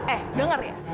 eh denger ya